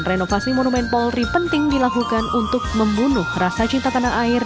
renovasi monumen polri penting dilakukan untuk membunuh rasa cinta tanah air